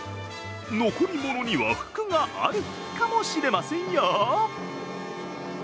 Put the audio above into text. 残り物には福があるかもしれませんよ。